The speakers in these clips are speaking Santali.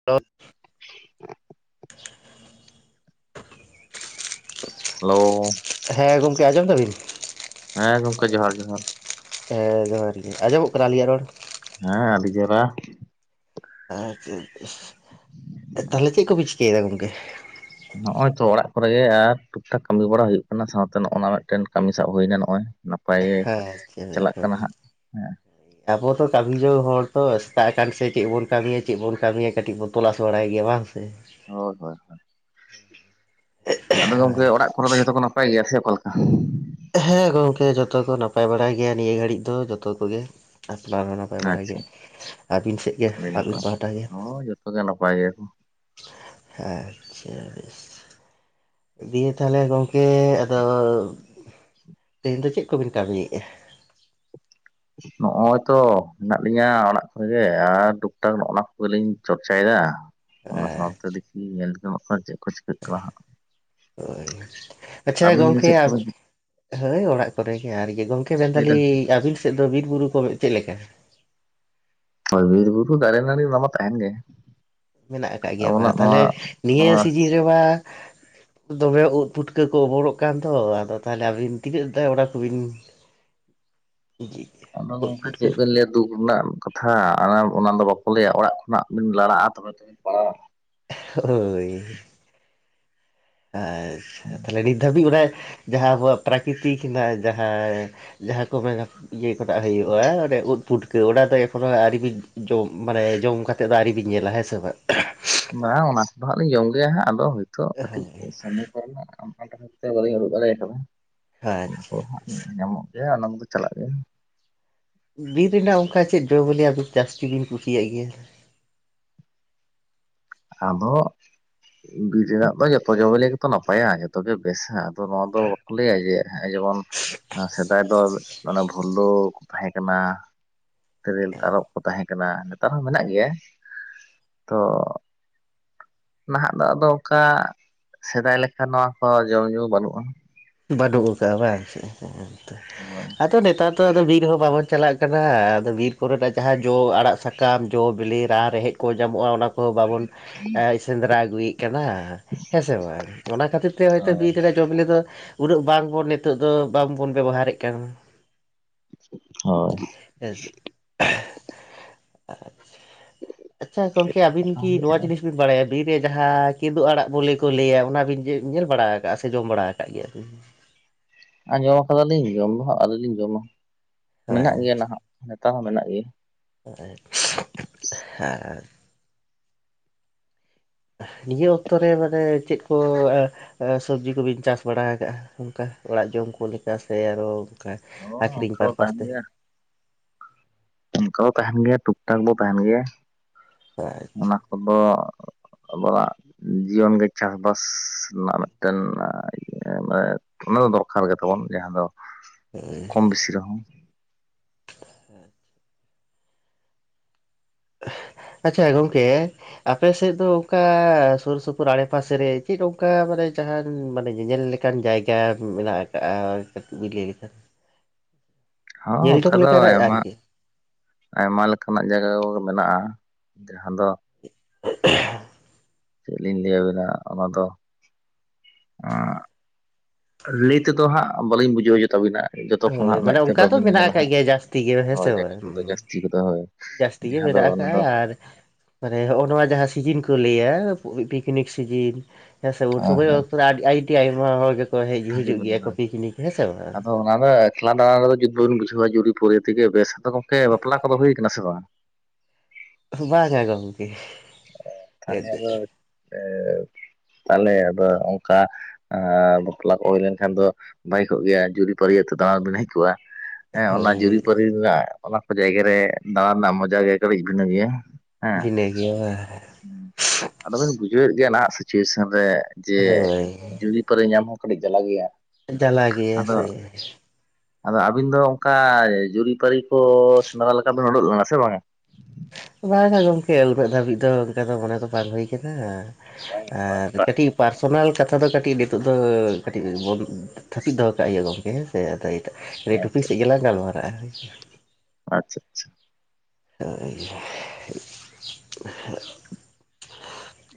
[unintelligible] ᱦᱮᱞᱳ ᱾ ᱦᱮᱸ ᱜᱚᱢᱠᱮ ᱟᱸᱡᱚᱢ ᱫᱟᱵᱤᱱ? ᱦᱮᱸ ᱜᱚᱝᱠᱮ ᱡᱚᱦᱟᱨ ᱡᱚᱦᱟᱨ ᱾ ᱦᱮᱸ ᱡᱚᱦᱟᱨ ᱜᱮ ᱟᱸᱡᱚᱢ-ᱚᱜ ᱠᱟᱱᱟ ᱟᱹᱞᱤᱧᱟ-ᱜ ᱨᱚᱲ᱾ ᱦᱮᱸ ᱟᱹᱰᱤ ᱪᱮᱨᱦᱟ᱾ ᱟᱪᱪᱷᱟ, ᱛᱟᱦᱚᱸᱞᱮ ᱪᱮᱫ ᱠᱚᱯᱮ ᱪᱤᱠᱟᱹᱭᱮᱫᱟ ᱜᱚᱝᱠᱮ? ᱱᱚᱸᱜ-ᱚᱭ ᱛᱚ ᱚᱲᱟᱜ ᱠᱚᱨᱮ ᱜᱮ ᱟᱨ ᱴᱩᱠ ᱴᱟᱠ ᱠᱟᱹᱢᱤ ᱵᱟᱲᱟ ᱦᱩᱭᱩᱜ ᱠᱟᱱᱟ ᱥᱟᱶᱛᱮ ᱱᱚᱸᱜ-ᱚ ᱱᱚᱣᱟ ᱢᱤᱫᱴᱮᱱ ᱠᱟᱹᱢᱤ ᱥᱟᱵᱽ ᱦᱩᱭᱱᱟ ᱱᱚᱸᱜ-ᱚᱭ᱾ ᱯᱟᱭ ᱜᱮ ᱪᱟᱞᱟᱜ ᱠᱟᱱᱟ ᱦᱮᱸ ᱦᱟᱸᱜ ᱦᱮᱸ᱾ ᱟᱵᱚ ᱛᱚ ᱠᱟᱹᱢᱤ ᱡᱚᱝ ᱦᱚᱲ ᱛᱚ ᱥᱮᱥᱛᱟᱜ ᱟᱠᱟᱱ ᱥᱮ ᱪᱮᱫ ᱵᱚᱱ ᱠᱟᱹᱢᱤᱭᱟ ᱪᱮᱫ ᱵᱚᱱ ᱠᱟᱹᱢᱤᱭᱟ ᱠᱟᱹᱴᱤᱡ ᱵᱚᱱ ᱛᱚᱞᱟᱥ ᱵᱟᱲᱟᱭ ᱜᱮᱭᱟ ᱵᱟᱝ ᱥᱮ᱾ ᱦᱳᱭ ᱦᱳᱭ ᱦᱳᱭ, ᱟᱫᱚ ᱜᱚᱝᱠᱮ ᱚᱲᱟᱜ [unintelligible] ᱡᱚᱛᱚ ᱠᱚ ᱱᱟᱯᱟᱭ ᱜᱮᱭᱟ ᱥᱮ ᱚᱠᱟ ᱞᱮᱠᱟ? ᱦᱮᱸ ᱜᱚᱝᱠᱮ ᱡᱚᱛᱚ ᱠᱚ ᱱᱟᱯᱟᱭ ᱵᱟᱲᱟᱭ ᱜᱮᱭᱟ ᱱᱤᱭᱟᱹ ᱜᱷᱟᱹᱲᱤᱡ ᱫᱚ ᱡᱚᱛᱚ ᱠᱚᱜᱮ [unintelligible] ᱱᱟᱯᱟᱭ ᱵᱟᱲᱟᱭ ᱟᱪᱪᱷᱟ ᱜᱮᱭᱟ ᱟᱹᱵᱤᱱ ᱥᱮᱫ ᱜᱮ ᱟᱹᱰᱤ ᱟᱵᱤᱱ ᱱᱟᱯᱟᱭ ᱯᱟᱦᱚᱸᱴᱟ ᱜᱮ᱾ ᱦᱳᱭ ᱡᱚᱛᱚ ᱜᱮ ᱱᱟᱯᱟᱭ ᱜᱮᱭᱟᱠᱚ ᱟᱪᱪᱷᱟ, ᱫᱤᱭᱮ ᱛᱟᱦᱚᱸᱞᱮ ᱜᱚᱝᱠᱮ ᱟᱫᱚ, ᱛᱮᱦᱮᱸᱧ ᱫᱚ ᱪᱮᱫ ᱠᱚ ᱵᱤᱱ ᱠᱟᱹᱢᱤᱭᱮᱜ-ᱟ᱾ ᱱᱚᱸᱜ-ᱚᱭ ᱛᱚ ᱦᱮᱱᱟᱜ ᱞᱤᱧᱟ ᱚᱲᱟᱜ ᱠᱚᱨᱮᱜᱮ ᱟᱨ ᱴᱩᱠᱴᱟᱠ ᱱᱚᱸᱜ-ᱱᱟ ᱠᱚᱜᱮᱞᱤᱧ ᱪᱚᱨᱪᱟᱭ ᱮᱫᱟ᱾ ᱚᱱᱟ ᱥᱟᱸᱣ ᱛᱮ ᱫᱮᱠᱷᱤ ᱧᱮᱞ ᱛᱚ ᱦᱟᱸᱜ ᱠᱷᱟᱱ ᱪᱮᱫ ᱠᱚ ᱪᱤᱠᱟᱹᱜ ᱠᱟᱱᱟ ᱦᱟᱸᱜ᱾ ᱦᱳᱭ ᱟᱪᱪᱷᱟ ᱟᱹᱵᱤᱱ ᱜᱮ ᱜᱚᱝᱠᱮ ᱪᱮᱫ ᱠᱚᱵᱤᱱ ᱦᱳᱭ ᱚᱲᱟᱜ ᱠᱚᱨᱮ ᱜᱮ ᱟᱨ [inaudible] ᱜᱚᱢᱠᱮ ᱢᱮᱱ ᱪᱤᱠᱟᱹᱭᱮᱫᱟ ᱫᱟᱹᱞᱤᱧ ᱟᱵᱤᱱ ᱥᱮᱫ ᱫᱚ ᱵᱤᱨ ᱵᱩᱨᱩ ᱠᱚ ᱪᱮᱫ ᱞᱮᱠᱟ? ᱦᱳᱭ ᱵᱤᱨ ᱵᱩᱨᱩ ᱫᱟᱨᱮ ᱱᱟᱹᱲᱤ ᱚᱱᱟ ᱢᱟ ᱛᱟᱦᱮᱸᱱ ᱜᱮ᱾ ᱢᱮᱱᱟᱜ ᱟᱠᱟᱜ ᱜᱮᱭᱟ ᱟᱵᱚᱱᱟᱜ ᱵᱟ ᱱᱚᱣᱟ ᱛᱟᱦᱚᱸᱞᱮ ᱱᱤᱭᱟᱹ ᱱᱚᱣᱟ ᱥᱤᱡᱤᱱ ᱨᱮᱢᱟ᱾ ᱫᱚᱢᱮ ᱩᱫ ᱯᱩᱴᱠᱟᱹ ᱠᱚ ᱚᱢᱚᱱ-ᱚᱜ ᱠᱟᱱ ᱫᱚ ᱟᱫᱚ ᱛᱟᱦᱚᱸᱞᱮ ᱟᱹᱵᱤᱱ ᱛᱤᱱᱟᱹᱜ ᱫᱟ ᱚᱱᱟ ᱠᱚᱵᱤᱱ [unintelligible] ᱚᱱᱮ ᱩᱫ ᱚᱝᱠᱟ ᱯᱩᱴᱠᱟᱹ ᱪᱮᱫ ᱵᱮᱱ ᱞᱟᱹᱭᱟ ᱫᱩᱠ ᱨᱮᱱᱟᱜ᱾ ᱠᱟᱛᱷᱟ ᱟᱨ ᱚᱱᱟ ᱫᱚ ᱵᱟᱠᱚ ᱞᱟᱹᱭᱟ ᱚᱲᱟᱜ ᱠᱷᱚᱱᱟᱜ ᱵᱤᱱ ᱞᱟᱲᱟᱜ-ᱟ ᱛᱚᱵᱮ ᱛᱚᱵᱮᱱ ᱯᱟᱲᱟᱣᱟ ᱦᱳᱭ, ᱟᱪᱪᱷᱟ ᱛᱟᱦᱚᱸᱞᱮ ᱱᱤᱛ ᱫᱷᱟᱹᱵᱤᱡ ᱚᱱᱟ ᱡᱟᱦᱟᱸ ᱟᱵᱚᱣᱟᱜ ᱯᱨᱟᱠᱤᱛᱤᱠ ᱦᱮᱱᱟᱜ-ᱟ ᱡᱟᱦᱟᱸ ᱡᱟᱦᱟᱸ ᱠᱚ ᱢᱮᱱᱟ ᱤᱭᱟᱹ ᱦᱚᱴᱚᱠᱟᱜ ᱦᱩᱭᱩᱜ-ᱟ ᱚᱸᱰᱮ ᱩᱫ᱾ ᱯᱩᱴᱠᱟᱹ ᱚᱱᱟ ᱫᱚ ᱮᱠᱷᱚᱱᱳ ᱟᱹᱣᱨᱤᱵᱤᱱ ᱡᱚᱢ ᱢᱟᱱᱮ ᱡᱚᱢ ᱠᱟᱛᱮᱫ ᱫᱚ ᱟᱹᱣᱨᱤ ᱵᱤᱱ ᱧᱮᱞᱟ ᱦᱮᱸ ᱥᱮ ᱵᱟᱝ᱾ ᱵᱟᱝ ᱚᱱᱟ ᱠᱚᱫᱚ ᱦᱟᱸᱜ ᱞᱤᱧ ᱡᱚᱢ ᱜᱮᱭᱟ ᱦᱟᱸᱜ ᱟᱫᱚ ᱦᱳᱭ ᱛᱚ ᱠᱟᱹᱤᱡ ᱦᱳᱭ ᱥᱚᱢᱵᱷᱚᱵᱽ ᱚᱱᱟ ᱠᱷᱟᱹᱛᱤᱨ ᱛᱮ ᱵᱟᱹᱞᱤᱧ ᱩᱫᱩᱜ ᱫᱟᱲᱮ ᱟᱠᱟᱫᱟ ᱚᱱᱟ ᱟᱪᱪᱷᱟ ᱠᱚ ᱦᱟᱸᱜ ᱧᱟᱢᱚᱜ ᱜᱮᱭᱟ ᱚᱱᱟ ᱠᱚᱫᱚ ᱪᱟᱞᱟᱜ ᱜᱮᱭᱟ᱾ ᱵᱤᱨ ᱨᱮᱱᱟᱜ ᱚᱱᱠᱟ ᱪᱮᱫ ᱡᱚ ᱵᱮᱞᱮᱭᱟᱜ ᱡᱟᱹᱥᱛᱤ ᱵᱤᱱ ᱠᱩᱥᱤᱭᱟᱜ ᱜᱮᱭᱟ᱾ ᱟᱫᱚ᱾ ᱵᱤᱨ ᱨᱮᱱᱟᱜ ᱫᱚ ᱡᱚᱛᱚ ᱡᱚ ᱵᱮᱞᱮ ᱜᱮᱛᱚ ᱱᱟᱯᱟᱭᱟ ᱡᱚᱛᱚ ᱜᱮ ᱵᱮᱥᱟ ᱟᱫᱚ ᱱᱚᱣᱟ ᱫᱚ ᱵᱟᱠᱚ ᱞᱟᱹᱭᱟ ᱡᱮ ᱦᱮᱜ-ᱮ ᱡᱮᱢᱚᱱ ᱥᱮᱫᱟᱭ ᱫᱚ ᱚᱱᱮ ᱵᱷᱩᱞᱳᱠ ᱛᱟᱦᱮᱸ ᱠᱟᱱᱟ ᱛᱮᱨᱮᱞ ᱛᱟᱨᱚᱵᱽ ᱠᱚ ᱛᱟᱦᱮᱸ ᱠᱟᱱᱟ ᱱᱮᱛᱟᱨ ᱦᱚᱸ ᱢᱮᱱᱟᱜ ᱜᱮᱭᱟ ᱛᱚ ᱱᱟᱦᱟᱜ ᱫᱚ ᱟᱫᱚ ᱚᱱᱠᱟ ᱥᱮᱫᱟᱭ ᱞᱮᱠᱟ ᱱᱚᱣᱟ ᱠᱚ ᱡᱚᱢ ᱧᱩ ᱵᱟᱹᱱᱩᱜ-ᱟ᱾ ᱵᱟᱹᱱᱩᱜ ᱠᱟᱜ-ᱟ ᱵᱟᱝ᱾ [unintelligible] ᱟᱫᱚ ᱱᱮᱛᱟᱨ ᱫᱚ ᱟᱫᱚ ᱵᱤᱨ ᱦᱚᱸ ᱵᱟᱵᱚᱱ ᱪᱟᱞᱟᱜ ᱠᱟᱱᱟ ᱟᱫᱚ ᱵᱤᱨ ᱠᱚᱨᱮᱱᱟᱜ ᱡᱟᱦᱟᱸ ᱡᱚ ᱟᱲᱟᱜ ᱥᱟᱠ ᱠᱟᱢ ᱡᱚ ᱵᱤᱞᱤ ᱨᱟᱱ ᱨᱮᱦᱮᱫᱽ ᱠᱚ ᱧᱟᱢᱚᱜ-ᱟ ᱚᱱᱟ ᱠᱚᱦᱚᱸ ᱵᱟᱵᱚᱱ ᱮ ᱥᱮᱸᱫᱽᱨᱟ ᱟᱹᱜᱩᱭᱮᱫ ᱠᱟᱱᱟ᱾ ᱦᱮᱸ ᱥᱮ ᱵᱟᱝ ᱚᱱᱟ ᱠᱷᱟᱹᱛᱤᱨ ᱛᱮ ᱦᱳᱭᱛᱚ ᱦᱳᱭ ᱵᱤᱨ ᱨᱮᱜᱮ ᱡᱚ ᱵᱤᱞᱤ ᱫᱚ᱾ ᱩᱱᱟᱹᱜ ᱵᱟᱝ ᱵᱚᱱ ᱱᱤᱛᱚᱜ ᱫᱚ ᱵᱟᱝ ᱵᱚᱱ ᱵᱮᱵᱚᱦᱟᱨᱮᱫ ᱠᱟᱱᱟ᱾ ᱦᱳᱭ, ᱦᱮᱸ ᱥᱮ ᱟᱪᱪᱷᱟ ᱜᱚᱝᱠᱮ ᱟᱹᱵᱤᱱ ᱠᱤ ᱱᱚᱣᱟ ᱡᱤᱱᱤᱥ ᱵᱤᱱ ᱵᱟᱲᱟᱭᱟ᱾ ᱵᱤᱨ ᱨᱮ ᱡᱟᱦᱟᱸ ᱠᱤᱫᱩᱵᱽ ᱟᱲᱟᱜ ᱵᱚᱞᱮ ᱠᱚ ᱞᱟᱹᱭᱟ ᱚᱱᱟ ᱵᱤᱱ ᱧᱮᱞ ᱵᱟᱲᱟ ᱟᱠᱟᱜ-ᱟ ᱥᱮ ᱡᱚᱢ ᱵᱟᱲᱟ ᱟᱠᱟᱜ ᱜᱮᱭᱟ ᱵᱤᱱ᱾ ᱟᱸᱡᱚᱢ ᱟᱠᱟᱫᱟᱹᱞᱤᱧ ᱡᱚᱢ ᱫᱚ ᱦᱟᱸᱜ ᱟᱹᱣᱨᱤ ᱞᱤᱧ ᱡᱚᱢᱟ ᱢᱮᱱᱟᱜ ᱜᱮᱭᱟ ᱟᱪᱪᱷᱟ ᱱᱟᱦᱟᱜ ᱱᱮᱛᱟᱨ ᱦᱚᱸ ᱢᱮᱱᱟᱜ ᱜᱮᱭᱟ᱾ [unintelligible] ᱱᱤᱭᱟᱹ ᱚᱠᱛᱚᱨᱮ ᱢᱟᱱᱮ ᱪᱮᱫ ᱠᱚ᱾ ᱥᱚᱵᱽᱡᱤ ᱠᱚᱵᱤᱱ ᱪᱟᱥ ᱵᱟᱲᱟᱣ ᱠᱟᱜᱼᱟ ᱚᱝᱠᱟ ᱚᱲᱟᱜ ᱡᱚᱢ ᱠᱚ ᱞᱮᱠᱟ ᱥᱮ ᱟᱨᱚ ᱦᱳᱭ ᱟᱹᱠᱷᱨᱤᱧ ᱚᱱᱠᱟ ᱫᱚ ᱯᱟᱨ ᱛᱟᱦᱮᱱ ᱯᱟᱥᱛᱮ ᱤᱱᱠᱟ ᱫᱚ ᱛᱟᱦᱮᱱ ᱜᱮᱭᱟ ᱴᱩᱠ ᱴᱟᱠ ᱫᱚ ᱛᱟᱦᱮᱱ ᱜᱮᱭᱟ ᱚᱱᱟ ᱠᱚᱫᱚ᱾ ᱟᱵᱚᱣᱟᱜ ᱡᱤᱭᱚᱱ ᱜᱮ ᱪᱟᱥᱵᱟᱥ ᱨᱮᱱᱟᱜ ᱢᱮᱫᱴᱮᱱ ᱤᱭᱟᱹ ᱢᱟᱱᱮ ᱚᱱᱟ ᱫᱚ ᱫᱚᱨᱠᱟᱨ ᱜᱮᱛᱟᱵᱚᱱ ᱡᱟᱦᱟᱸ ᱫᱚ ᱠᱚᱢ ᱵᱤᱥᱤ ᱨᱮᱦᱚᱸ [unintelligible] ᱟᱪᱪᱷᱟ ᱜᱚᱝᱠᱮ ᱟᱯᱮ ᱥᱮᱫ ᱫᱚ ᱚᱝᱠᱟ ᱥᱩᱨ ᱥᱩᱯᱩᱨ ᱟᱲᱮᱯᱟᱥᱮ ᱨᱮ ᱪᱮᱫ ᱚᱝᱠᱟ ᱢᱟᱱᱮ ᱡᱟᱦᱟᱱ ᱢᱟᱱᱮ ᱧᱮᱧᱮᱞ ᱞᱮ ᱚᱱᱠᱟᱱ ᱠᱟᱱ ᱡᱟᱭᱜᱟ ᱢᱮᱱᱟᱜ ᱠᱟᱜᱼᱟ ᱠᱟᱹᱴᱤᱡ [inaudible] ᱦᱚᱸ ᱧᱮᱞ ᱚᱝᱠᱟ ᱡᱚᱝ ᱫᱚ ᱞᱮᱠᱟᱱᱟᱜ ᱟᱭᱢᱟ ᱟᱨᱠᱤ ᱟᱭᱢᱟ ᱞᱮᱠᱟᱱᱟᱜ ᱡᱟᱭᱜᱟ ᱠᱚ ᱜᱮ ᱢᱮᱱᱟᱜᱼᱟ ᱡᱟᱦᱟᱸ ᱫᱚ [unintelligible] ᱪᱮᱜ ᱞᱤᱧ ᱞᱮᱭᱟᱵᱤᱱᱟ ᱚᱱᱟ ᱫᱚ᱾ ᱟᱸᱜ ᱞᱟᱹᱭ ᱛᱮᱫᱚ ᱦᱟᱸᱜ ᱵᱟᱹᱞᱤᱧ ᱵᱩᱡᱷᱟᱹᱣ ᱦᱚᱪᱚᱛᱟᱵᱤᱱᱟ ᱡᱚᱛᱚ ᱦᱳᱭ ᱠᱷᱚᱱᱟᱜ ᱢᱟᱱᱮ ᱢᱮᱜᱛᱮ ᱚᱱᱠᱟ ᱫᱚ ᱵᱟᱹᱵᱤᱱ ᱢᱮᱱᱟᱜ ᱧᱮᱞᱟ ᱟᱠᱟᱫ ᱦᱟᱸᱜ ᱜᱮᱭᱟ ᱡᱟᱹᱥᱛᱤ ᱜᱮ ᱦᱮᱸ ᱦᱳᱭ ᱥᱮ ᱵᱟᱝ ᱡᱟᱹᱥᱛᱤ ᱠᱚᱫᱚ ᱦᱳᱭ ᱡᱟᱹᱥᱛᱤ ᱜᱮ ᱡᱟᱦᱟᱸ ᱫᱚ ᱢᱮᱱᱟᱜ ᱚᱱᱟ ᱫᱚ ᱠᱟᱜᱼᱟ ᱟᱨ᱾ ᱢᱟᱱᱮ ᱦᱚᱜᱼᱱᱚᱣᱟ ᱡᱟᱦᱟᱸ ᱥᱤᱡᱤᱱ ᱠᱚ ᱞᱟᱹᱭᱼᱟ ᱯᱤᱠᱱᱤᱠ ᱥᱤᱡᱤᱱ᱾ ᱦᱮᱸᱥᱮ ᱩᱱ ᱥᱚᱢᱚᱭ ᱢᱟ ᱚᱠᱛᱚ ᱨᱮ ᱟᱹᱰᱤ ᱟᱹᱭᱰᱤ ᱟᱭᱢᱟ ᱦᱚᱲ ᱜᱮᱠᱚ ᱦᱮᱡ ᱵᱷᱟᱜᱮ ᱦᱤᱡᱩᱜ ᱵᱷᱟᱜᱮ ᱜᱮᱭᱟ ᱠᱚ ᱦᱳᱭ ᱯᱤᱠᱱᱤᱠ ᱦᱮᱸ ᱥᱮ ᱵᱟᱝ᱾ ᱟᱫᱚ ᱚᱱᱟ ᱨᱮ ᱮᱠᱷᱞᱟ ᱫᱟᱬᱟᱱ ᱨᱮᱫᱚ ᱡᱩᱫ ᱵᱟᱹᱵᱤᱱ ᱵᱩᱡᱷᱟᱹᱣᱟ ᱡᱩᱨᱤᱯᱩᱨᱤ ᱛᱤᱜᱮ ᱵᱮᱥ ᱟᱫᱚ ᱜᱚᱝᱠᱮ ᱵᱟᱯᱞᱟ ᱠᱚᱫᱚ ᱦᱩᱭᱩ ᱠᱟᱱᱟ ᱥᱮ ᱵᱟᱝ? ᱵᱟᱝᱼᱟ ᱜᱚᱡᱠᱮ ᱛᱟᱦᱚᱞᱮ ᱟᱫᱚ ᱛᱟᱦᱚᱞᱮ ᱟᱫᱚ ᱚᱝᱠᱟ ᱟᱨ ᱵᱟᱯᱞᱟ ᱠᱚ ᱦᱩᱭ ᱞᱮᱱᱠᱷᱟᱱ ᱫᱚ ᱵᱷᱟᱜᱮ ᱠᱚᱜ ᱜᱮᱭᱟ ᱡᱩᱨᱤᱯᱟᱹᱨᱤᱭᱟᱹᱛᱮᱫ ᱫᱟᱬᱟᱱ ᱵᱤᱱ ᱦᱮᱡ ᱠᱚᱜᱼᱟ᱾ ᱦᱮᱸ ᱚᱱᱟ ᱦᱳᱭ ᱡᱩᱨᱤᱼᱯᱟᱨᱤ ᱨᱤᱱᱟᱜ ᱚᱱᱟ ᱠᱚ ᱡᱟᱭᱜᱟ ᱨᱮ ᱫᱟᱬᱟᱱ ᱱᱟᱜ ᱢᱚᱡᱟ ᱜᱮ ᱠᱟᱹᱴᱤᱡ ᱵᱷᱤᱱᱟᱹ ᱜᱮᱭᱟ᱾ ᱵᱷᱤᱱᱟᱹ ᱜᱮᱭᱟ ᱵᱟ ᱟᱫᱚ ᱵᱤᱱ ᱵᱩᱡᱷᱟᱹᱣᱮᱜ ᱜᱮᱭᱟ ᱱᱟᱦᱟᱜ ᱥᱤᱪᱩᱭᱮᱥᱚᱱ ᱨᱮ ᱡᱮ ᱵᱟᱝ ᱦᱳᱭ ᱡᱩᱫᱤ ᱯᱟᱹᱨᱤ ᱧᱟᱢ ᱦᱚᱸ ᱠᱟᱹᱴᱤᱡ ᱡᱟᱞᱟ ᱜᱮᱭᱟ᱾ ᱡᱟᱞᱟ ᱜᱮᱭᱟ ᱟᱫᱚ ᱥᱮ ᱟᱫᱚ ᱟᱹᱵᱤᱱ ᱫᱚ ᱚᱝᱠᱟ ᱡᱩᱨᱤᱯᱟᱹᱨᱤ ᱠᱚ ᱥᱮᱸᱫᱽᱨᱟ ᱞᱮᱠᱟ ᱫᱚᱵᱮᱱ ᱳᱲᱳᱜ ᱞᱮᱱᱟ ᱥᱮ ᱵᱟᱝᱼᱟ? ᱵᱟᱝᱼᱟ ᱜᱚᱝᱠᱮ ᱩᱱᱟᱜ ᱫᱷᱟᱹᱵᱤᱡ ᱫᱚ ᱚᱝᱠᱟ ᱫᱚ ᱢᱚᱱᱮ ᱫᱚ ᱵᱟᱝ ᱦᱩᱭ ᱠᱟᱱᱟ᱾ ᱵᱟᱝ ᱵᱟᱝ ᱟᱨ ᱦᱟᱛᱟᱜ ᱠᱟᱹᱴᱤᱡ ᱯᱟᱨᱥᱚᱱᱟᱞ ᱠᱟᱛᱷᱟ ᱫᱚ ᱠᱟᱹᱴᱤᱡ ᱱᱤᱛᱚᱜ ᱫᱚ ᱠᱟᱹᱴᱤᱡ ᱵᱚᱱ ᱛᱷᱟᱯᱤᱫ ᱫᱚᱦᱚ ᱠᱟᱜ ᱦᱩᱭᱩᱜᱼᱟ ᱜᱚᱝᱠᱮ ᱦᱮᱸ ᱥᱮ ᱟᱫᱚ ᱱᱤᱭᱟᱹ ᱴᱩᱯᱤᱠ ᱥᱮᱜ ᱜᱮᱞᱟᱝ ᱜᱟᱞᱢᱟᱨᱟᱜᱼᱟ ᱟᱪᱪᱷᱟ ᱟᱪᱪᱷᱟ [unintelligible]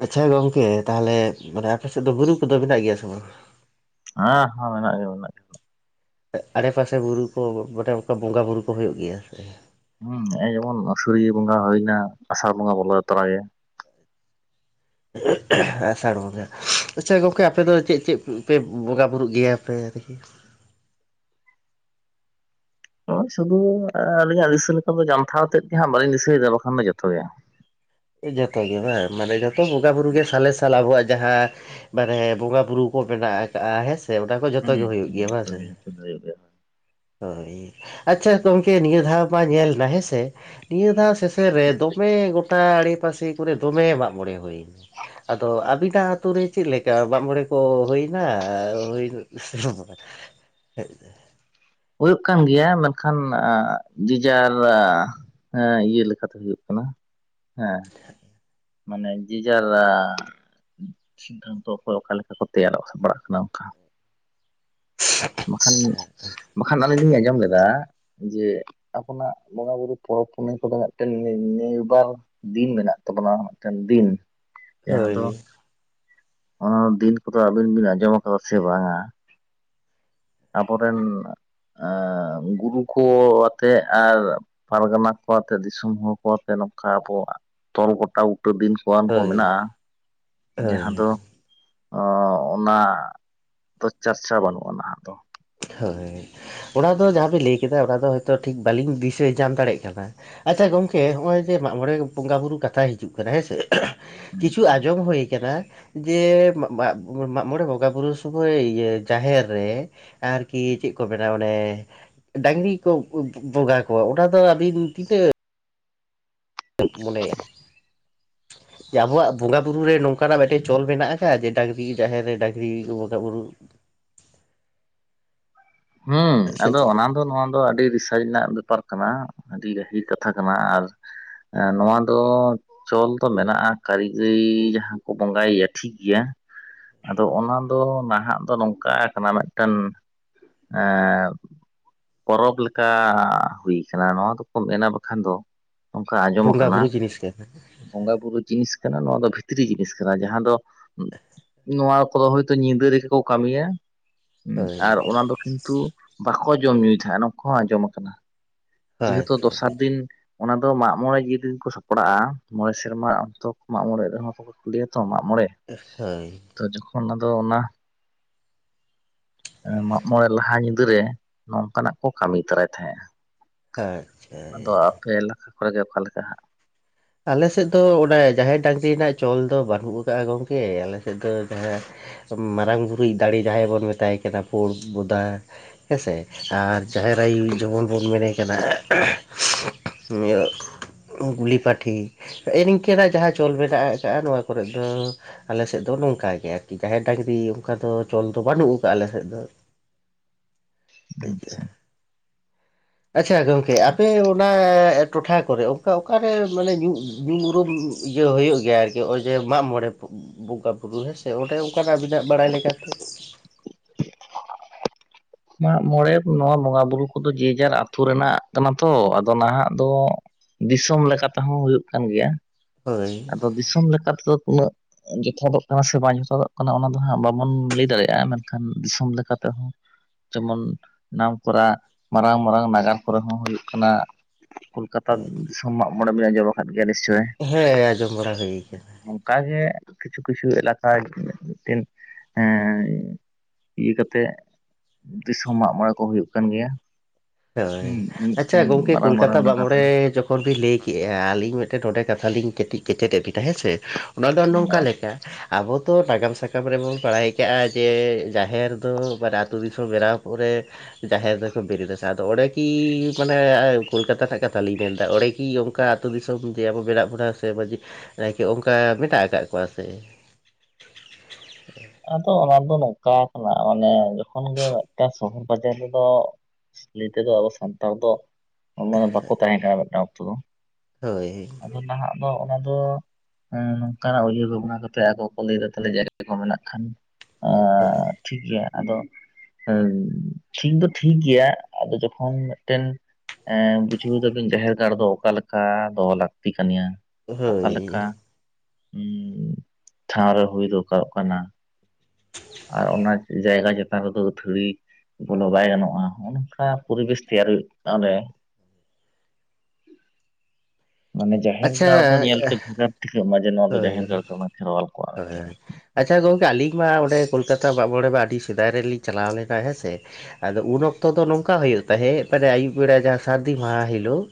ᱟᱪᱪᱷᱟ ᱜᱚᱝᱠᱮ ᱛᱟᱦᱚᱞᱮ ᱢᱟᱱᱮ ᱟᱯᱮ ᱥᱮᱫ ᱫᱚ ᱵᱩᱨᱩ ᱠᱚᱫᱚ ᱢᱮᱱᱟᱜ ᱜᱮᱭᱟ ᱥᱮ ᱵᱟᱝ? ᱦᱟᱸ ᱦᱟᱸ ᱢᱮᱱᱟᱜ ᱜᱮᱭᱟ ᱢᱮᱱᱟᱜ ᱜᱮᱭᱟ᱾ ᱟᱲᱮ ᱯᱟᱥᱮ ᱵᱩᱨᱩ ᱠᱚ ᱢᱟᱱᱮ ᱚᱝᱠᱟ ᱵᱚᱸᱜᱟ ᱵᱩᱨᱩ ᱠᱚ ᱦᱳᱭᱳᱜ ᱜᱮᱭᱟ ᱥᱮ᱾ ᱦᱮᱸ ᱡᱮᱢᱚᱱ ᱟᱹᱥᱩᱨᱤᱭᱟᱹ ᱵᱚᱸᱜᱟ ᱦᱩᱭᱱᱟ ᱟᱥᱟᱲ ᱵᱚᱸᱜᱟ ᱵᱚᱞᱚ ᱛᱚᱨᱟᱭᱮᱱ᱾ [unintelligible] ᱟᱥᱟᱲ ᱵᱚᱸᱜᱟ ᱟᱪᱪᱷᱟ ᱜᱚᱝᱠᱮ ᱟᱯᱮ ᱫᱚ ᱪᱮᱫ ᱪᱮᱫ ᱯᱮ ᱵᱚᱸᱜᱟ ᱵᱩᱨᱩᱜ ᱜᱮᱭᱟᱯᱮ ᱫᱮᱠᱷᱤ ᱱᱚᱜᱼᱚᱭ ᱥᱩᱫᱩ ᱟᱹᱞᱤᱧᱟᱜ ᱫᱤᱥᱟᱹ ᱞᱮᱠᱟ ᱫᱚ ᱡᱟᱱᱛᱷᱟᱣ ᱛᱮᱫ ᱜᱮ ᱦᱟᱸᱜ ᱵᱟᱹᱞᱤᱧ ᱫᱤᱥᱟᱹᱭᱮᱫᱟ ᱵᱟᱠᱷᱟᱱ ᱫᱚ ᱡᱚᱛᱚ ᱜᱮ᱾ ᱡᱚᱛᱚ ᱜᱮ ᱵᱟᱝ ᱢᱟᱱᱮ ᱡᱚᱛᱚ ᱵᱚᱸᱜᱟ ᱵᱩᱨᱩ ᱜᱮ ᱥᱟᱞᱮ ᱥᱟᱞ ᱟᱵᱚᱣᱟᱜ ᱡᱟᱦᱟᱸ ᱵᱟᱨᱦᱮ ᱵᱚᱸᱜᱟ ᱵᱩᱨᱩ ᱠᱚ ᱢᱮᱱᱟᱜ ᱠᱟᱜᱼᱟ ᱦᱮᱸ ᱥᱮ, ᱚᱱᱟ ᱠᱚ ᱡᱚᱛᱚ ᱦᱩᱸ ᱜᱮ ᱦᱩᱭᱩᱜ ᱦᱩᱸ ᱜᱮᱭᱟ ᱵᱟᱝᱸ ᱥᱮ? [inaudible] ᱦᱳᱭ, ᱟᱪᱪᱷᱟ ᱜᱚᱝᱠᱮ ᱱᱤᱭᱟᱹ ᱫᱷᱟᱣ ᱢᱟ ᱧᱮᱞ ᱱᱟ ᱦᱮᱸᱥᱮ? ᱱᱤᱭᱟᱹ ᱫᱷᱟᱣ ᱥᱮᱥᱮᱱ ᱨᱮ ᱫᱚᱢᱮ ᱜᱚᱴᱟ ᱟᱲᱮᱯᱟᱥᱮ ᱠᱚᱨᱮ ᱫᱚᱢᱮ ᱢᱟᱜ ᱢᱚᱬᱮ ᱦᱩᱭᱱᱟ᱾ ᱟᱫᱚ ᱟᱹᱵᱤᱱᱟᱜ ᱟᱹᱛᱩ ᱨᱮ ᱪᱮᱫ ᱞᱮᱠᱟ ᱢᱟᱜ ᱢᱚᱬᱮ ᱠᱚ ᱦᱩᱭᱱᱟ ᱦᱩᱭ? [inaudible] ᱦᱩᱭᱩᱜ ᱠᱟᱱ ᱜᱮᱭᱟ ᱢᱮᱱᱠᱷᱟᱱ ᱟ ᱡᱮᱡᱟᱨ ᱟ ᱦᱮᱸ ᱤᱭᱟᱹ ᱞᱮᱠᱟᱛᱮ ᱦᱩᱭᱩᱜ ᱠᱟᱱᱟ ᱦᱮᱸ᱾ ᱢᱟᱱᱮ ᱡᱮ ᱡᱟᱨᱟᱻ ᱥᱤᱫᱽᱫᱷᱟᱱᱛᱚ ᱚᱠᱚᱭ ᱚᱠᱟ ᱞᱮᱠᱟ ᱠᱚ ᱛᱮᱭᱟᱨ ᱵᱟᱲᱟᱜ ᱠᱟᱱᱟ ᱚᱱᱠᱟ᱾ ᱵᱟᱠᱷᱟᱱ, ᱵᱟᱠᱷᱟᱱ ᱟᱹᱞᱤᱧ ᱞᱤᱧ ᱟᱸᱡᱚᱢ ᱞᱮᱫᱟ ᱡᱮ ᱟᱯᱚᱱᱟᱜ ᱵᱚᱸᱜᱟ ᱵᱩᱨᱩ ᱯᱚᱨᱚᱵᱽ ᱯᱩᱱᱟᱹᱭ ᱠᱚᱫᱚ ᱢᱤᱫᱴᱮᱱ [unintelligible] ᱫᱤᱱ ᱢᱮᱱᱟᱜ ᱛᱟᱵᱚᱱᱟ ᱢᱤᱫᱴᱮᱱ ᱫᱤᱱ᱾ ᱡᱟᱦᱟᱸ ᱫᱚ, ᱦᱳᱭ ᱚᱱᱟ ᱫᱤᱱ ᱠᱚᱫᱚ ᱟᱹᱵᱤᱱ ᱵᱤᱱ ᱟᱸᱡᱚᱢ ᱠᱟᱫᱟ ᱥᱮ ᱵᱟᱝᱟ, ᱟᱵᱚᱨᱮᱱ ᱮᱸ ᱜᱩᱨᱩ ᱠᱚ ᱟᱛᱮᱫ ᱟᱨ ᱯᱟᱨᱜᱟᱱᱟ ᱠᱚᱣᱟᱛᱮᱫ ᱫᱤᱥᱚᱢ ᱦᱚᱲ ᱠᱚ ᱟᱛᱮᱫ ᱱᱚᱝᱠᱟ ᱟᱵᱚᱣᱟᱜ ᱛᱚᱞ ᱜᱚᱴᱟ ᱵᱩᱴᱟᱹ ᱫᱤᱱ [unintelligible] ᱠᱚ ᱦᱳᱭ ᱢᱮᱱᱟᱜᱼᱟ ᱡᱟᱦᱟᱸ ᱦᱳᱭ ᱫᱚ ᱚ ᱚᱱᱟ [unintelligible] ᱪᱷᱟᱲᱟ ᱵᱟᱹᱱᱩᱜᱼᱟ ᱱᱟᱦᱟᱜ ᱫᱚ᱾ ᱦᱳᱭ, ᱚᱱᱟ ᱫᱚ ᱡᱟᱦᱟᱸ ᱵᱤᱱ ᱞᱮᱭ ᱠᱮᱫᱟ ᱚᱱᱟ ᱫᱚ ᱦᱚᱭᱛᱳ ᱴᱷᱤᱠ ᱵᱟᱞᱤᱧ ᱫᱤᱥᱟᱹ ᱧᱟᱢ ᱫᱟᱲᱮᱭᱟᱜ ᱠᱟᱱᱟ᱾ ᱟᱪᱪᱷᱟ ᱜᱚᱝᱠᱮ ᱦᱚᱸᱜᱼᱚᱭ ᱡᱮ ᱢᱟᱜ ᱢᱚᱬᱮ ᱵᱚᱸᱜᱟ ᱵᱩᱨᱩ ᱠᱟᱛᱷᱟ ᱦᱤᱡᱩᱜ ᱠᱟᱱᱟ ᱦᱮᱸ ᱥᱮ, ᱠᱤᱪᱷᱩ ᱟᱸᱡᱚᱢ ᱦᱩᱭ ᱟᱠᱟᱱᱟ ᱡᱮ ᱢᱟᱜ ᱢᱟᱜ, ᱢᱟᱜ ᱢᱚᱬᱮ ᱵᱚᱸᱜᱟ ᱵᱩᱨᱩ ᱥᱚᱢᱚᱭ ᱤᱛᱟᱹ ᱡᱟᱦᱮᱨ ᱨᱮ ᱟᱨᱠᱤ ᱪᱮᱫ ᱠᱚ ᱢᱮᱱᱟ ᱢᱟᱱᱮ ᱰᱟᱝᱨᱤ ᱠᱚ ᱵᱚᱸᱜᱟ ᱠᱚᱣᱟ ᱚᱱᱟ ᱫᱚ ᱟᱹᱵᱤᱱ ᱛᱤᱱᱟᱹᱜ [inaudible] ᱢᱚᱱᱮᱭᱟ? ᱡᱮ ᱟᱵᱚᱣᱟᱜ ᱵᱚᱸᱜᱟ ᱵᱩᱨᱩ ᱨᱮ ᱱᱚᱝᱠᱟᱱᱟᱜ ᱢᱤᱫᱴᱮᱡ ᱪᱚᱞ ᱢᱮᱱᱟᱜ ᱟᱠᱟᱜ-ᱟ ᱡᱮ ᱰᱟᱝᱨᱤ ᱡᱟᱦᱮᱨ ᱨᱮ ᱰᱟᱝᱨᱤ ᱵᱚᱸᱜᱟ ᱵᱩᱨᱩ? ᱦᱩᱸ ᱥᱮ ᱟᱫᱚ ᱪᱮᱫ ᱚᱱᱟ ᱫᱚ ᱱᱚᱣᱟ ᱫᱚ ᱟᱹᱰᱤ ᱫᱤᱥ [inaudible] ᱨᱮᱱᱟᱜ ᱵᱮᱯᱟᱨ ᱠᱟᱱᱟ ᱟᱹᱰᱤ ᱜᱟᱹᱦᱤᱨ ᱠᱟᱛᱷᱟ ᱠᱟᱱᱟ ᱟᱨ ᱱᱚᱣᱟ ᱫᱚ ᱪᱚᱞ ᱫᱚ ᱢᱮᱱᱟᱜᱼᱟ ᱠᱟᱹᱨᱤ ᱜᱟᱹᱭ ᱡᱟᱦᱟᱸ ᱠᱚ ᱵᱚᱸᱜᱟᱭᱮᱭᱟ ᱴᱷᱤᱠ ᱜᱮᱭᱟ, ᱟᱫᱚ ᱚᱱᱟ ᱫᱚ ᱱᱟᱦᱟᱜ ᱫᱚ ᱱᱚᱝᱠᱟ ᱠᱟᱱᱟ, ᱢᱤᱫᱴᱮᱱ ᱮᱸ ᱯᱚᱨᱚᱵᱽ ᱞᱮᱠᱟ ᱦᱩᱭ ᱠᱟᱱᱟ, ᱱᱚᱣᱟ ᱫᱚᱠᱚ ᱢᱮᱱᱟ ᱵᱟᱠᱷᱟᱱ ᱫᱚ, ᱚᱱᱠᱟ ᱟᱸᱡᱚᱢ ᱵᱚᱸᱜᱟ ᱵᱩᱨᱩ ᱠᱟᱱᱟ, ᱡᱤᱱᱤᱥ ᱠᱟᱱᱟ ᱵᱚᱸᱜᱟ ᱵᱩᱨᱩ ᱡᱤᱱᱤᱥ ᱠᱟᱱᱟ, ᱱᱚᱣᱟ ᱫᱚ ᱵᱷᱤᱛᱨᱤ ᱡᱤᱱᱤᱥ ᱠᱟᱱᱟ, ᱡᱟᱦᱟᱸ ᱫᱚ ᱱᱚᱣᱟ ᱠᱟᱫᱚ ᱦᱚᱭᱛᱳ ᱧᱤᱫᱟᱹ ᱨᱮᱜᱮ ᱠᱚ ᱠᱟᱹᱢᱤᱭᱟ, ᱦᱩᱸ ᱦᱳᱭ ᱟᱨ ᱚᱱᱟ ᱫᱚ ᱠᱤᱱᱛᱩ ᱵᱟᱠᱚ ᱡᱚᱢ ᱧᱩᱭ ᱛᱟᱦᱮᱸᱜ ᱱᱚᱝᱠᱩ ᱦᱚᱸ ᱟᱸᱡᱚᱢ ᱟᱠᱟᱱᱟ᱾ ᱡᱮᱦᱮᱛᱩ ᱟᱪᱪᱷᱟ ᱫᱚᱥᱟᱨ ᱫᱤᱱ ᱚᱱᱟ ᱫᱚ ᱢᱟᱜ ᱢᱚᱬᱮ ᱡᱤᱱ ᱠᱚ ᱥᱟᱯᱲᱟᱜᱼᱟ, ᱢᱚᱬᱮ ᱥᱮᱨᱢᱟ ᱚᱱᱛᱚ ᱠᱚ ᱢᱟᱜ ᱢᱚᱬᱮᱜ ᱨᱮᱦᱚᱸ ᱛᱚ [inaudible] ᱞᱮᱭᱟ ᱛᱚ ᱢᱟᱜ ᱢᱚᱬᱮ᱾ ᱦᱳᱭ᱾ ᱛᱚ ᱡᱚᱠᱷᱚᱱ ᱟᱫᱚ ᱚᱱᱟ ᱮᱸ ᱢᱟᱜ ᱢᱚᱬᱮ ᱞᱟᱦᱟ ᱧᱤᱫᱟᱹ ᱨᱮ, ᱱᱚᱝᱠᱟᱱᱟᱜ ᱠᱚ ᱠᱟᱹᱢᱤ ᱛᱚᱨᱟᱭ ᱛᱟᱦᱮᱸᱜᱼᱟ᱾ ᱟᱪᱪᱷᱟ ᱮᱭ᱾ ᱯᱮ ᱮᱞᱟᱠᱟ ᱠᱚᱨᱮᱜᱮ ᱚᱠᱟ ᱞᱮᱠᱟ ᱦᱟᱸᱜ? ᱟᱞᱮ ᱥᱮᱫ ᱫᱚ ᱚᱱᱟ ᱡᱟᱦᱮᱨ ᱰᱟᱝᱨᱤ ᱨᱮᱱᱟᱜ ᱪᱚᱞ ᱫᱚ ᱵᱟᱹᱱᱩᱜ ᱟᱠᱟᱜ-ᱟ ᱜᱚᱝᱠᱮ, ᱟᱞᱮ ᱥᱮᱫ ᱫᱚ ᱡᱟᱦᱟᱸ ᱢᱟᱨᱟᱝ ᱜᱩᱨᱩᱭᱤᱡ ᱫᱟᱲᱮ ᱡᱟᱦᱟᱸᱭ ᱵᱚᱱ ᱢᱮᱛᱟᱭ ᱠᱟᱱᱟ ᱯᱩᱲ ᱵᱚᱫᱟ᱾ ᱦᱮᱸᱥᱮ, ᱟᱨ ᱡᱟᱦᱮᱨ ᱟᱭᱩ ᱡᱮᱢᱚᱱ ᱵᱚᱱ ᱧᱮᱞᱮ ᱠᱟᱱᱟ᱾ ᱤᱭᱟᱹ ᱜᱩᱞᱤ ᱯᱟᱴ, ᱴᱷᱤ, ᱦᱮᱸᱜ-ᱮ ᱱᱤᱝᱠᱟᱹᱱᱟᱜ ᱡᱟᱦᱟᱸ ᱪᱚᱞ ᱢᱮᱱᱟᱜ ᱟᱠᱟᱜ-ᱟ, ᱱᱚᱣᱟ ᱠᱚᱨᱮᱮᱫ ᱫᱚ ᱟᱞᱮᱥᱮᱫ ᱫᱚ ᱱᱚᱝᱠᱟᱜᱮ ᱟᱨᱠᱤ, ᱡᱟᱦᱮᱨ ᱰᱟᱝᱨᱤ ᱚᱝᱠᱟ ᱫᱚ ᱪᱚᱞ ᱫᱚ ᱵᱟᱹᱱᱩᱜ ᱟᱠᱟᱜ-ᱟ ᱟᱞᱮ ᱥᱮᱫ ᱫᱚ᱾ [unintelligible] ᱟᱪᱪᱷᱟ᱾ ᱟᱪᱪᱷᱟ ᱜᱚᱝᱠᱮ, ᱟᱯᱮ ᱚᱱᱟ ᱴᱚᱴᱷᱟ ᱠᱚᱨᱮ ᱚᱝᱠᱟ ᱚᱠᱟᱨᱮ ᱢᱟᱱᱮ ᱧᱩ ᱧᱩᱢ ᱩᱨᱩᱢ ᱤᱭᱟᱹ ᱦᱩᱭᱩᱜ ᱜᱮᱭᱟ ᱟᱨᱠᱤ ᱦᱚᱸᱜ-ᱚᱭ ᱡᱮ ᱢᱟᱜ ᱢᱚᱬᱮ? ᱵᱚᱸᱜᱟᱼᱵᱩᱨᱩ ᱦᱮᱸ ᱥᱮ, ᱚᱸᱰᱮ ᱚᱝᱠᱟᱱᱟᱜ ᱟᱹᱵᱤᱱᱟᱜ ᱵᱟᱲᱟᱭ ᱞᱮᱠᱟᱛᱮ? ᱢᱟᱜᱢᱚᱬᱮ ᱱᱚᱣᱟ ᱵᱚᱸᱜᱟ ᱵᱩᱨᱩ ᱠᱚᱫᱚ ᱡᱮᱡᱟᱨ ᱟᱛᱩ ᱨᱮᱱᱟᱜ ᱠᱟᱱᱟ ᱛᱚ, ᱟᱫᱚ ᱱᱟᱦᱟᱜ ᱫᱚ ᱫᱤᱥᱚᱢ ᱞᱮᱠᱟ ᱛᱮᱦᱚᱸ ᱦᱩᱭᱩᱜ ᱠᱟᱱ ᱜᱮᱭᱟ, ᱦᱳᱭ ᱟᱫᱚ ᱫᱤᱥᱚᱢ ᱞᱮᱠᱟ ᱛᱮᱫᱚ ᱩᱱᱟᱹᱜ ᱡᱚᱛᱷᱟᱛᱚᱜ ᱠᱟᱱᱟ, ᱥᱮ ᱵᱟᱝ ᱡᱚᱛᱷᱟᱛᱚᱜ ᱠᱟᱱᱟ, ᱚᱱᱟ ᱫᱚ ᱦᱟᱸᱜ ᱵᱟᱵᱚᱱ ᱞᱟᱹᱭ ᱫᱟᱲᱮᱭᱟᱜ-ᱟ ᱢᱮᱱᱠᱷᱟᱱ ᱫᱤᱥᱚᱢ ᱞᱮᱠᱟᱛᱮᱦᱚᱸ ᱡᱮᱢᱚᱱᱢ ᱱᱟᱢᱠᱚᱨᱟ ᱢᱟᱨᱟᱝ ᱢᱟᱨᱟᱝ ᱱᱟᱜᱟᱨ ᱠᱚᱨᱮ ᱦᱚᱸ ᱦᱩᱭᱩᱜ ᱠᱟᱱᱟ᱾ ᱠᱳᱞᱠᱟᱛᱟ ᱫᱤᱥᱚᱢ ᱢᱟᱜ ᱢᱚᱬᱮ ᱵᱤᱱ ᱟᱸᱡᱚᱢ ᱟᱠᱟᱫ ᱜᱮᱭᱟ ᱱᱤᱥᱪᱳᱭ? ᱦᱮᱸ ᱟᱸᱡᱚᱢ ᱵᱟᱲᱟ ᱦᱩᱭ ᱠᱟᱱᱟ᱾ ᱚᱝᱠᱟ ᱜᱮ ᱠᱤᱪᱷᱩ ᱠᱤᱪᱷᱩ ᱮᱞᱟᱠᱟ ᱢᱤᱫᱴᱤᱱ ᱮᱸ ᱤᱭᱟᱹ ᱠᱟᱛᱮᱜ ᱫᱤᱥᱚᱢ ᱢᱟᱜ ᱢᱚᱬᱮ ᱠᱚ ᱦᱩᱭᱩᱜ ᱠᱟᱱ ᱜᱮᱭᱟ᱾ ᱦᱳᱭ, ᱦᱩᱸ ᱟᱪᱪᱷᱟ ᱢᱤᱫᱴᱮᱱ ᱜᱚᱝᱠᱮ ᱢᱟᱨᱟᱝ ᱠᱳᱞᱠᱟᱛᱟ ᱢᱟᱨᱟᱝ ᱢᱟᱜ ᱱᱟᱜᱟᱨ ᱢᱚᱬᱮ ᱨᱮ ᱡᱚᱠᱷ ᱠᱷᱚᱱ ᱵᱤᱱ ᱞᱟᱹᱭ ᱠᱮᱜ-ᱟ ᱟᱹᱞᱤᱧ ᱢᱤᱫᱴᱮᱱ ᱱᱚᱸᱰᱮ ᱠᱟᱛᱷᱟ ᱞᱤᱧ ᱠᱟᱹᱴᱤᱡ ᱠᱮᱪᱮᱫ ᱮᱫ ᱵᱤᱱᱟ, ᱦᱮᱸ ᱥᱮ᱾ ᱚᱱᱟ ᱫᱚ ᱱᱚᱝᱠᱟ ᱞᱮᱠᱟ ᱟᱵᱚ ᱛᱚ ᱱᱟᱜᱟᱢ ᱥᱟᱠᱟᱢ ᱨᱮᱵᱚᱱ ᱵᱟᱲᱟᱭ ᱠᱟᱜ-ᱟ ᱡᱮ ᱡᱟᱦᱮᱨ ᱫᱚ ᱢᱟᱱᱮ ᱟᱛᱩ ᱫᱤᱥᱚᱢ ᱵᱮᱱᱟᱣ ᱯᱚᱨᱮ ᱡᱟᱦᱮᱨ ᱫᱚᱠᱚ ᱵᱮᱨᱮᱫᱟ᱾ ᱟᱫᱚ ᱚᱸᱰᱮ ᱠᱤ ᱢᱟᱱᱮ ᱠᱳᱞᱠᱟᱛᱟ ᱨᱮᱱᱟᱜ ᱠᱟᱛᱷᱟ ᱞᱤᱧ ᱢᱮᱱᱮᱫᱟ, ᱚᱸᱰᱮ ᱠᱤ ᱚᱝᱠᱟ ᱟᱹᱛᱩ ᱫᱤᱥᱚᱢ ᱡᱮ ᱟᱵᱚ ᱢᱮᱱᱟᱜ ᱵᱚᱱᱟ ᱥᱮ ᱢᱟᱺᱡᱷᱤ ᱱᱟᱭᱠᱮ ᱚᱝᱠᱟ ᱢᱮᱱᱟᱜ ᱟᱠᱟᱜ ᱠᱚᱣᱟ ᱥᱮ᱾ ᱟᱫᱚ ᱚᱱᱟ ᱫᱚ ᱱᱚᱝᱠᱟ ᱠᱟᱱᱟ ᱢᱟᱱᱮ ᱡᱚᱠᱷᱚᱱ ᱜᱮ ᱢᱤᱫᱴᱟᱝ ᱥᱚᱦᱚᱨ ᱵᱟᱡᱟᱨ ᱨᱮᱫᱚ ᱞᱟᱹᱭ ᱛᱮᱫᱚ ᱟᱵᱚ ᱥᱟᱱᱛᱟᱲ ᱫᱚ ᱢᱟᱱᱮ ᱵᱟᱠᱚ ᱛᱟᱦᱮᱸ ᱠᱟᱱᱟ ᱢᱤᱫᱴᱟᱝ ᱚᱠᱛᱚ ᱫᱚ᱾ ᱦᱳᱭ᱾ ᱟᱫᱚ ᱱᱟᱦᱟᱜ ᱫᱚ ᱚᱱᱟ ᱫᱚ ᱮᱸᱻ ᱱᱚᱝᱠᱟ ᱦᱚᱸ ᱩᱭᱦᱟᱹᱨ ᱵᱷᱟᱵᱽᱱᱟ ᱠᱟᱛᱮᱜ ᱟᱠᱚ ᱠᱚ ᱞᱟᱹᱭᱫᱟ ᱛᱟᱦᱞᱮ [unintelligible] ᱠᱚ ᱢᱮᱱᱟᱜ ᱠᱷᱟᱱ ᱟᱨ ᱦᱳᱭ᱾ ᱴᱷᱤᱠ ᱜᱮᱭᱟ ᱟᱫᱚ ᱦᱮᱸ ᱴᱷᱤᱠ ᱫᱚ ᱴᱷᱤᱠ ᱜᱮᱭᱟ ᱟᱫᱚ ᱡᱚᱠᱷᱚᱱ ᱢᱮᱫᱴᱮᱱ ᱮᱸ ᱵᱩᱡᱷᱟᱹᱣ ᱫᱟᱵᱤᱱ ᱡᱟᱦᱮᱨ ᱜᱟᱲ ᱫᱚ ᱚᱠᱟ ᱞᱮᱠᱟ ᱫᱚᱦᱚ ᱞᱟᱹᱠᱛᱤ ᱠᱟᱱᱜᱮᱭᱟ? ᱦᱳᱭ ᱚᱠᱟᱞᱮᱠᱟ ᱩᱸ ᱴᱷᱟᱶ ᱨᱮ ᱦᱩᱭ ᱫᱚᱨᱠᱟᱨᱚᱜ ᱠᱟᱱᱟ? ᱟᱨ ᱚᱱᱟ ᱡᱟᱭᱜᱟ ᱪᱮᱛᱟᱱ ᱨᱮᱫᱚ ᱟᱹᱛᱷᱟᱹᱣᱲᱤ ᱵᱚᱞᱚ ᱵᱟᱭ ᱜᱟᱱᱚᱜ-ᱟ ᱦᱚᱸᱜ-ᱚᱱᱠᱟ ᱯᱚᱨᱤᱵᱮᱥ ᱛᱮᱭᱟᱨ ᱦᱩᱭᱩᱜ-ᱟ ᱚᱸᱰᱮ᱾ ᱢᱟᱱᱮ ᱡᱟᱦᱮᱨ ᱟᱪᱪᱷᱟ ᱜᱟᱲ ᱫᱚ ᱧᱮᱞᱛᱮ ᱵᱷᱮᱜᱟᱨ ᱴᱷᱤᱠᱟᱹᱜ ᱢᱟ ᱡᱮ, ᱱᱚᱣᱟ ᱫᱚ ᱦᱳᱭ ᱡᱟᱦᱮᱨ ᱜᱟᱲ ᱠᱟᱱᱟ ᱠᱷᱮᱨᱣᱟᱞ ᱠᱚᱣᱟ ᱦᱳᱭ ᱢᱮᱱᱛᱮᱫ᱾ ᱟᱪᱪᱷᱟ ᱜᱚᱝᱠᱮ ᱟᱹᱞᱤᱧ ᱢᱟ ᱚᱸᱰᱮ ᱠᱳᱞᱠᱟᱛᱟ ᱢᱟᱜ ᱢᱚᱬᱮ ᱢᱟ ᱟᱹᱰᱤ ᱥᱮᱫᱟᱭ ᱨᱮᱞᱤᱧ ᱪᱟᱞᱟᱣ ᱞᱮᱱᱟ ᱦᱮᱸ ᱥᱮ᱾ ᱟᱫᱚ ᱩᱱ ᱚᱠᱛᱚ ᱫᱚ ᱱᱚᱝᱠᱟ ᱦᱩᱭᱩᱜ ᱛᱟᱦᱮᱸᱫ ᱢᱟᱱᱮ ᱟᱹᱭᱩᱵ ᱵᱮᱲᱟ ᱡᱟᱦᱟᱸ ᱥᱟᱹᱨᱫᱤ ᱢᱟᱦᱟ ᱦᱤᱞᱳᱜ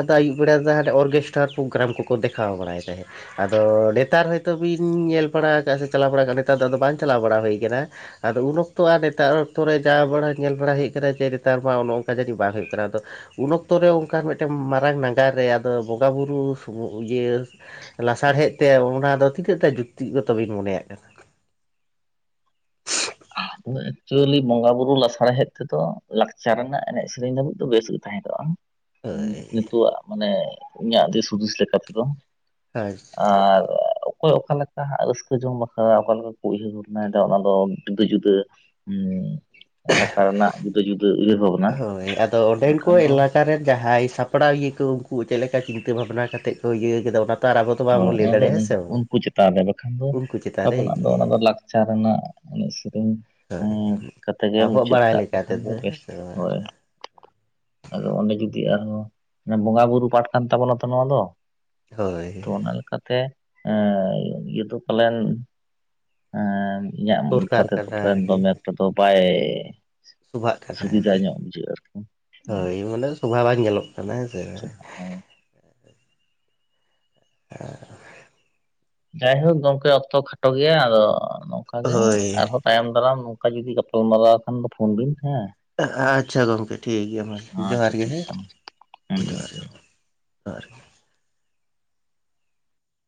ᱟᱫᱚ ᱟᱹᱭᱩᱵ ᱵᱮᱲᱟ ᱫᱚ ᱦᱟᱱᱮ ᱚᱨᱜᱮᱥᱴᱟᱨ ᱯᱨᱳᱜᱨᱟᱢ ᱠᱚᱠᱚ ᱫᱮᱠᱷᱟᱣ ᱵᱟᱲᱟᱭ ᱛᱟᱦᱮᱸᱫ᱾ ᱟᱫᱚ ᱱᱮᱛᱟᱨ ᱦᱚᱭᱛᱳ ᱵᱤᱱ ᱧᱮᱞ ᱵᱟᱲᱟ ᱟᱠᱟᱜ-ᱟ ᱥᱮ ᱪᱟᱞᱟᱣ ᱵᱟᱲᱟ ᱠᱟᱱᱟ, ᱱᱮᱛᱟᱨ ᱫᱚ ᱟᱫᱚ ᱵᱟᱝ ᱪᱟᱞᱟᱣ ᱵᱟᱲᱟ ᱦᱩᱭ ᱠᱟᱱᱟ᱾ ᱟᱫᱚ ᱩᱱ ᱚᱠᱛᱚ ᱟᱨ ᱱᱮᱛᱟᱨ ᱚᱠᱛᱚ ᱨᱮ ᱡᱟ ᱵᱟᱲᱟ ᱧᱮᱞ ᱵᱟᱲᱟ ᱦᱩᱭᱩᱜ ᱠᱟᱱᱟ ᱡᱮ ᱱᱮᱛᱟᱨ ᱢᱟ ᱱᱚᱜ-ᱚ ᱚᱝᱠᱟ ᱡᱟᱹᱱᱤᱡ ᱵᱟᱝ ᱦᱩᱭᱩᱜ ᱠᱟᱱᱟ ᱟᱫᱚ᱾ ᱩᱱ ᱚᱠᱛᱚ ᱨᱮ ᱚᱝᱠᱟᱱ ᱢᱮᱫᱴᱮᱱ ᱢᱟᱨᱟᱝ ᱱᱟᱜᱟᱨ ᱨᱮ ᱟᱫᱚ ᱵᱚᱸᱜᱟ-ᱵᱩᱨᱩ ᱥᱩᱢᱩᱝ ᱤᱭᱟᱹ ᱞᱟᱥᱟᱲᱦᱮᱫ ᱛᱮ ᱚᱱᱟ ᱫᱚ ᱛᱤᱱᱟᱹᱜᱴᱟ ᱡᱩᱠᱛᱤ ᱜᱚᱛᱚ ᱵᱤᱱ ᱢᱚᱱᱮᱭᱟᱜ ᱠᱟᱱᱟ? ᱢᱟᱱᱮ ᱮᱠᱪᱩᱭᱮᱤ ᱵᱚᱸᱜᱟ ᱵᱩᱨᱩ ᱞᱟᱥᱟᱬᱦᱮᱫ ᱛᱮᱫᱚ ᱞᱟᱠᱪᱟᱨ ᱨᱮᱱᱟᱜ ᱮᱱᱮᱡ ᱥᱮᱨᱮᱧ ᱫᱷᱟᱹᱵᱤᱡ ᱫᱚ ᱵᱮᱥ ᱜᱮ ᱛᱟᱦᱮᱸᱠᱚᱜ-ᱟ᱾ ᱩᱸ ᱦᱳᱭ ᱱᱤᱛᱳ-ᱟᱜ ᱢᱟᱱᱮ ᱤᱧᱟᱹᱜ ᱫᱤᱥ ᱦᱩᱫᱤᱥ ᱞᱮᱠᱟ ᱛᱮᱫᱚ ᱟᱪᱪᱷᱟ ᱟᱨ ᱚᱠᱚᱭ ᱚᱠᱟᱞᱮᱠ ᱠᱟᱦᱟᱸᱜ ᱨᱟᱹᱥᱠᱟᱹ ᱡᱚᱝ ᱵᱟᱠᱷᱨᱟ ᱚᱠᱟ ᱞᱮᱠᱟ ᱠᱚ ᱩᱭᱦᱟᱹᱨ ᱵᱷᱟᱵᱽᱱᱟᱭᱫᱟ ᱚᱱᱟ ᱫᱚ ᱡᱩᱫᱟᱹ ᱡᱩᱫᱟᱹ ᱩᱸ ᱮᱞᱟᱠᱟ ᱨᱮᱱᱟᱜ ᱡᱩᱫᱟᱹ ᱡᱩᱫᱟᱹ ᱩᱭᱦᱟᱹᱨ ᱵᱷᱟᱵᱽ ᱦᱳᱭ, ᱟᱫᱚ ᱚᱸᱰᱮᱱ ᱠᱚ ᱮᱞᱟᱠ ᱠᱟᱨᱮᱱ ᱡᱟᱦᱟᱸᱭ ᱥᱟᱯᱲᱟᱣᱤᱭᱟᱹ ᱠᱚ ᱩᱱᱠᱩ ᱪᱮᱫ ᱞᱮᱠᱟ ᱪᱤᱱᱛᱟᱹ ᱵᱷᱟᱵᱽᱱᱟ ᱠᱟᱛᱮᱫ ᱠᱚ ᱤᱭᱟᱹᱣ ᱟᱠᱟᱫᱟ ᱚᱱᱟ ᱛᱚ ᱟᱨ ᱟᱵᱚ ᱫᱚ ᱦᱳᱭ, ᱵᱟᱵᱚᱱ ᱞᱟᱹᱭ ᱚᱱᱟᱫᱚ ᱫᱟᱲᱮᱭᱟᱜᱼᱟ ᱦᱮᱸ ᱩᱱ ᱥᱮ ᱵᱟᱝ ᱩᱱᱠᱩ ᱪᱮᱛᱟᱱ ᱨᱮ ᱵᱟᱠᱷᱟᱱ ᱫᱚ ᱩᱱᱠᱩ ᱪᱮᱛᱟᱱ ᱨᱮ ᱟᱵᱚᱱᱟᱜ ᱫᱚ ᱤᱭᱟᱹ ᱚᱱᱟ ᱫᱚ ᱞᱟᱠᱪᱟᱨ ᱨᱮᱱᱟᱜ ᱮᱱᱮᱡ ᱥᱮᱨᱮᱧ ᱦᱳᱭ ᱩᱸ ᱠᱟᱛᱮᱫ ᱜᱮ ᱟᱵᱚᱣᱟᱜ ᱢᱩᱪᱟᱹᱫ ᱵᱟᱲᱟᱭ ᱠᱟᱜ ᱞᱮᱠᱟ ᱞᱮᱠᱷᱟᱱ ᱛᱮᱫᱚ ᱜᱮ ᱦᱮᱸ ᱵᱮᱥ᱾ ᱥᱮ ᱵᱟᱝ ᱦᱚᱭ ᱟᱫᱚ ᱚᱸᱰᱮ ᱡᱩᱫᱤ ᱟᱨᱦᱚᱸ ᱢᱟᱱᱮ ᱵᱚᱸᱜᱟ ᱵᱩᱨᱩ ᱯᱟᱴ ᱠᱟᱱ ᱛᱟᱵᱚᱱᱟ ᱛᱚ ᱱᱚᱣᱟ ᱫᱚ᱾ ᱦᱳᱭ ᱛᱚ ᱚᱱᱟ ᱞᱮᱠᱟᱛᱮ ᱮᱸ ᱤᱭᱟᱹ ᱫᱚ ᱯᱟᱞᱮᱱ ᱮᱸ ᱤᱧᱟᱹᱜ ᱫᱚᱨᱠᱟᱨ ᱞᱮᱠᱟᱛᱮ ᱫᱚ ᱠᱟᱱᱟ [unintelligible] ᱟᱨᱠᱤ ᱫᱚᱢᱮ ᱮᱠᱴᱟ ᱫᱚ ᱵᱟᱭ ᱥᱚᱵᱷᱟᱜ ᱠᱟᱱᱟ ᱥᱩᱵᱤᱫᱷᱟ ᱟᱨᱠᱤ ᱧᱚᱜ ᱵᱩᱡᱷᱟᱹᱜ-ᱟ ᱟᱨᱠᱤ, ᱦᱩᱸ᱾ ᱦᱳᱭ ᱢᱟᱱᱮ ᱥᱚᱵᱷᱟ ᱵᱟᱝ ᱧᱮᱞᱚᱜ ᱠᱟᱱᱟ ᱦᱮᱸ ᱥᱮ? [unintelligible] ᱡᱟᱭᱦᱳᱠ ᱜᱚᱝᱠᱮ ᱚᱠᱛᱚ ᱠᱷᱟᱴᱚ ᱜᱮᱭᱟ ᱟᱫᱚ ᱱᱚᱝᱠᱟ ᱜᱮ ᱦᱳᱭ ᱟᱨᱦᱚ ᱛᱟᱭᱚᱢ ᱫᱟᱨᱟᱢ ᱱᱚᱝᱠᱟ ᱡᱩᱫᱤ ᱜᱟᱯᱟᱞᱢᱟᱨᱟᱣ ᱠᱷᱟᱱ ᱫᱚ ᱯᱷᱳᱱ ᱵᱤᱱ ᱦᱮᱸ᱾ ᱟᱪᱪᱷᱟ ᱜᱚᱢᱠᱮ ᱴᱷᱤᱠ ᱜᱮᱭᱟ ᱢᱟ ᱟᱪᱪᱷᱟ ᱡᱚᱦᱟᱨ ᱜᱮ ᱴᱷᱤᱠ ᱦᱮᱸ, ᱜᱮᱭᱟ ᱢᱟ ᱡᱚᱦᱟᱨ ᱜᱮ᱾ ᱟᱨ ᱜᱮ᱾